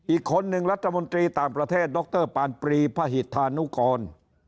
อีกคนนึงรัฐมนตรีต่างประเทศดรปานปรีพระหิตธานุกร